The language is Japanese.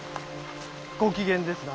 ご機嫌ですな。